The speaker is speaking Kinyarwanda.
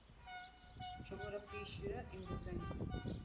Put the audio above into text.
Nshobora kwishyura inguzanyo